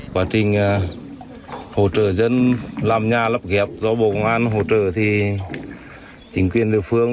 quá trình hỗ trợ dân làm nhà lập kẹp do bộ công an hỗ trợ thì chính quyền địa phương